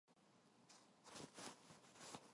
옥점이는 어석어석 배를 씹으며 말똥말똥 쳐다보았다.